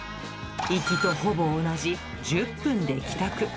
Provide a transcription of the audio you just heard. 行きとほぼ同じ１０分で帰宅。